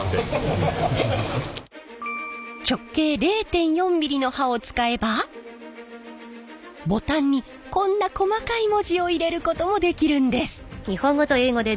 直径０．４ミリの刃を使えばボタンにこんな細かい文字を入れることもできるんです。